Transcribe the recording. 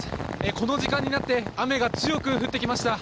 この時間になって雨が強く降ってきました。